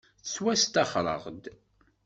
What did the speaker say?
Ttwasṭaxreɣ-d.